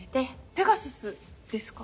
ペガサスですか？